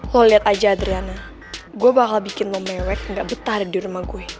lo liat aja adriana gue bakal bikin lo mewek nggak betar di rumah gue